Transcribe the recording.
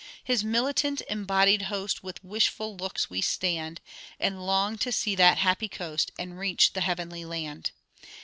...... 'His militant embodied host, With wishful looks we stand, And long to see that happy coast, And reach the heavenly land.